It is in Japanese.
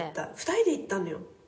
２人で行ったのよ。